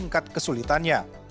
ini adalah tingkat kesulitannya